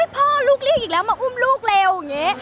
พ่อลูกเรียกอีกแล้ว้าวมาอุ้มลูกเร็ว